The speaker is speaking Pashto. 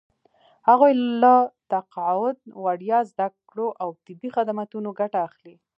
هغوی له تقاعد، وړیا زده کړو او طبي خدمتونو ګټه اخلي.